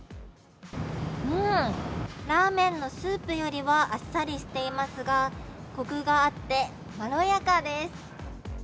ラーメンのスープよりはあっさりしていますが、コクがあってまろやかです。